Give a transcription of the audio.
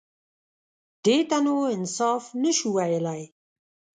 _دې ته نو انصاف نه شو ويلای.